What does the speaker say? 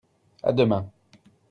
À demain.